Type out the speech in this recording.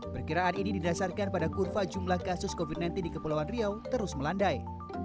perkiraan ini didasarkan pada kurva jumlah kasus covid sembilan belas di kepulauan riau terus melandai